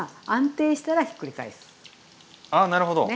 あなるほど。